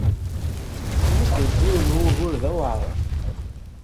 Temmuger-d yiwen n wugur d aweɛṛan.